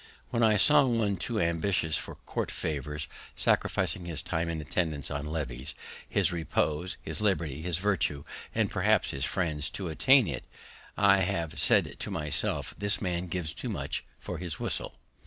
When I saw one too ambitious of court favor, sacrificing his time in attendance on levees, his repose, his liberty, his virtue, and perhaps his friends, to attain it, I have said to myself, This man gives too much for his whistle.